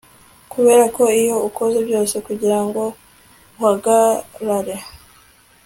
kuberako iyo ukoze byose kugirango uhagarare